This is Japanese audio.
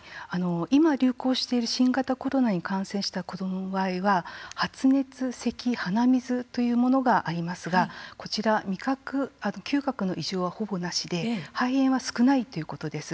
今、流行している新型コロナに感染した子どもの場合は発熱、せき、鼻水というものがありますが、こちら味覚、嗅覚の異常は、ほぼなしで肺炎は少ないということです。